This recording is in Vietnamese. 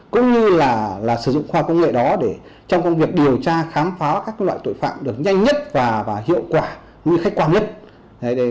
cũng như là sử dụng khoa công nghệ đó để trong công việc điều tra khám phá các loại tội phạm được nhanh nhất và hiệu quả như khách quan nhất